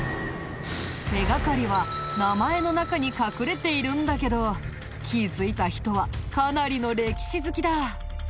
手掛かりは名前の中に隠れているんだけど気づいた人はかなりの歴史好きだ。